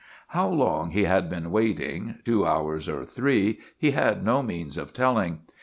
How long he had been waiting, two hours or three, he had no means of telling.